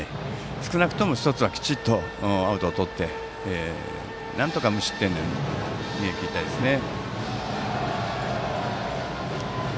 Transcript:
少なくとも１つはきちんとアウトをとってなんとか無失点で逃げ切りたいですね。